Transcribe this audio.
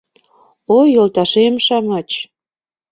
Ой, йолташем-шамычем